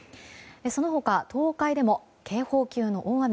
その他、東海でも警報級の大雨。